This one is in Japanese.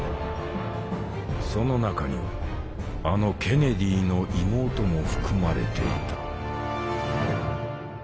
その中にはあのケネディの妹も含まれていた。